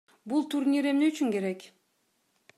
Бул турнир эмне үчүн керек?